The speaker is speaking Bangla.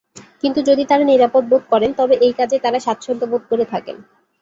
কিন্তু যদি তাঁরা নিরাপদ বোধ করেন তবে এই কাজে তাঁরা স্বাচ্ছন্দ্য বোধ করে থাকেন।